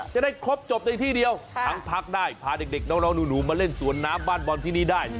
จะได้ครบจบในที่เดียวทั้งพักได้พาเด็กน้องหนูมาเล่นสวนน้ำบ้านบอลที่นี่ได้